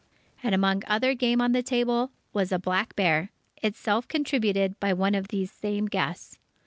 And among other game on the table, was a black bear, itself contributed by one of these same guests.